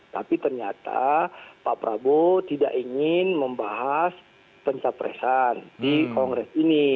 tapi ternyata pak prabowo tidak ingin membahas pencapresan di kongres ini